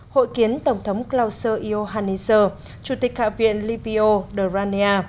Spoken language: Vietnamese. hội kiến tổng thống clauser iohannis chủ tịch hạ viện livio de ranea